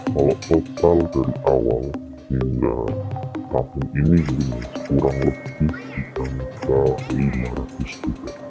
kalau total dari awal hingga tahun ini kurang lebih dari lima ratus jutaan